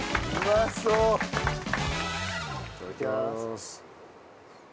いただきます。